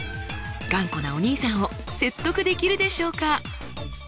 頑固なお兄さんを説得できるでしょうか？